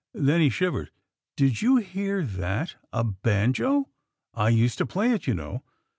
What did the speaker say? Then he shivered. "Did you hear that? A banjo! I used to play it, you know."